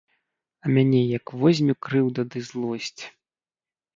А мяне як возьме крыўда ды злосць.